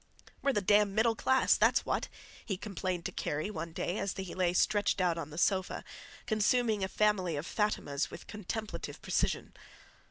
"We're the damned middle class, that's what!" he complained to Kerry one day as he lay stretched out on the sofa, consuming a family of Fatimas with contemplative precision.